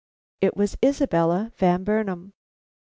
It was Isabella Van Burnam.